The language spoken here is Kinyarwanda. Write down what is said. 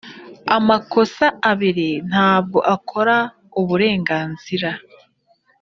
amakosa abiri ntabwo akora uburenganzira